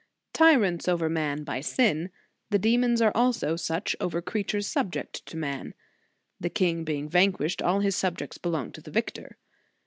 Tyrants over man by sin, the demons are also such over creatures subject to man; the king being vanquished, all his subjects belong to the victor.